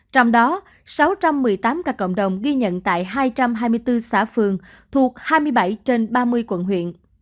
trong đó sáu trăm một mươi tám ca cộng đồng ghi nhận tại hai trăm hai mươi bốn xã phường thuộc hai mươi bảy trên ba mươi quận huyện